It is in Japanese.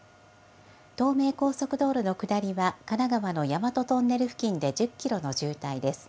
東名高速道路の下りは、神奈川の大和トンネル付近で１０キロの渋滞です。